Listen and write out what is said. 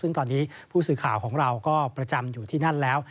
ซึ่งตอนนี้ผู้สื่อข่าวของเราก็ประจำอยู่ที่นั่นแล้ว